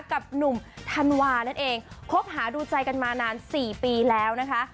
กับหนุ่มธันวานั่นเองคบหาดูใจกันมานาน๔ปีแล้วนะคะ